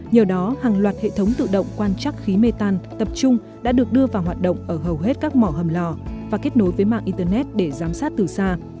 nhờ đó hàng loạt hệ thống tự động quan trắc khí mê tan tập trung đã được đưa vào hoạt động ở hầu hết các mỏ hầm lò và kết nối với mạng internet để giám sát từ xa